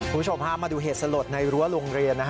คุณผู้ชมพามาดูเหตุสลดในรั้วโรงเรียน